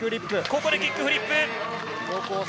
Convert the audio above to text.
ここでキックフリップ。